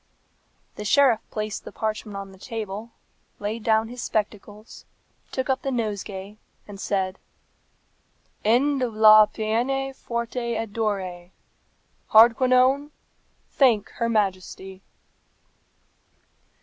'" The sheriff placed the parchment on the table, laid down his spectacles, took up the nosegay, and said, "End of la peine forte et dure. Hardquanonne, thank her Majesty."